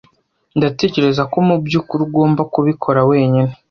Ndatekereza ko mubyukuri ugomba kubikora wenyine.